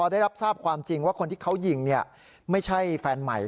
ได้รับทราบความจริงว่าคนที่เขายิงไม่ใช่แฟนใหม่